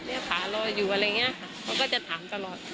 ขารออยู่อะไรอย่างนี้ค่ะเขาก็จะถามตลอด